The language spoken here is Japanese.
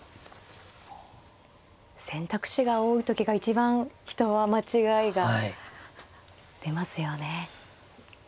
選択肢が多い時が一番人は間違いが出ますよね。